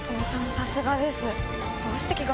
さすがです。